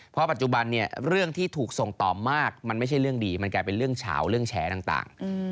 เพราะปัจจุบันเนี่ยเรื่องที่ถูกส่งต่อมากมันไม่ใช่เรื่องดีมันกลายเป็นเรื่องเฉาเรื่องแฉต่าง